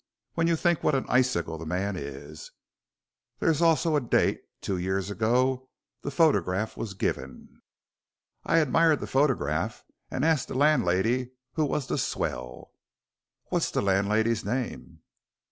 when you think what an icicle the man is. There is also a date two years ago the photograph was given. I admired the photograph and asked the landlady who was the swell." "What's the landlady's name?"